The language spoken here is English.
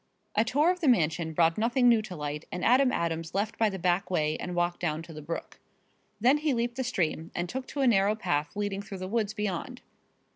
A tour of the mansion brought nothing new to light and Adam Adams left by the back way and walked down to the brook. Then he leaped the stream and took to a narrow path leading through the woods beyond.